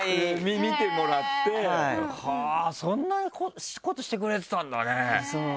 そんなことしてくれてたんだね。